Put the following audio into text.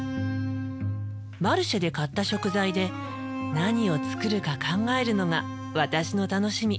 マルシェで買った食材で何を作るか考えるのが私の楽しみ。